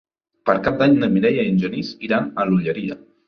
Per Cap d'Any na Mireia i en Genís iran a l'Olleria.